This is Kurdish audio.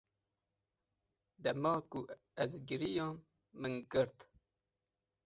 Dema ku ez giriyam min girt.